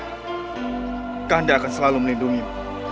kak kanda akan selalu melindungimu